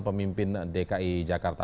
pemimpin dki jakarta